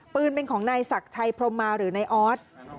ปืนเป็นของนายศักดิ์ชัยพรมมาหรือนายออส